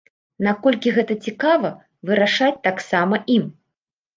Наколькі гэта цікава, вырашаць таксама ім.